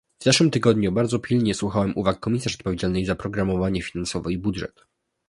W zeszłym tygodniu bardzo pilnie słuchałam uwag komisarz odpowiedzialnej za programowanie finansowe i budżet